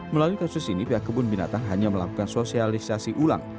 melalui kasus ini pihak kebun binatang hanya melakukan sosialisasi ulang